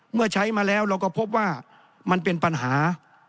เมื่อใช้มาแล้วเราก็พบว่ามันเป็นปัญหา